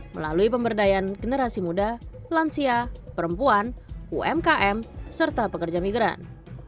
melalui pemberdayaan generasi muda lansia perempuan umkm serta pekerja migran